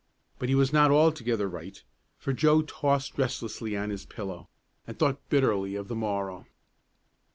But he was not altogether right, for Joe tossed restlessly on his pillow and thought bitterly of the morrow.